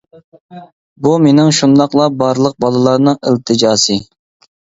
بۇ مېنىڭ شۇنداقلا بارلىق بالىلارنىڭ ئىلتىجاسى!